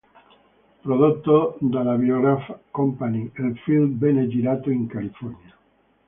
Prodotto dalla Biograph Company, il film venne girato in California.